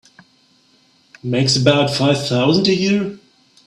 Makes about five thousand a year.